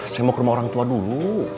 saya mau ke rumah orang tua dulu